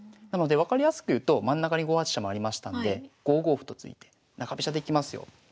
なので分かりやすく言うと真ん中に５八飛車回りましたので５五歩と突いて中飛車でいきますよ。